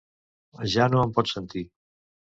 Ja no em pot sentir.